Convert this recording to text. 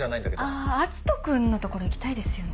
あ篤斗君の所行きたいですよね。